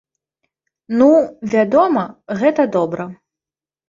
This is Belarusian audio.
Ну, вядома, гэта добра.